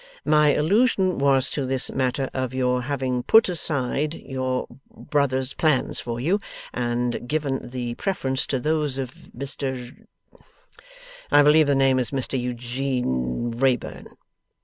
My allusion was to this matter of your having put aside your brother's plans for you, and given the preference to those of Mr I believe the name is Mr Eugene Wrayburn.